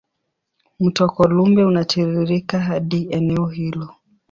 Mto Columbia unatiririka katika eneo hilo.